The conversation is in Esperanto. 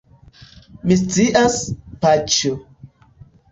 Mi scias, paĉjo.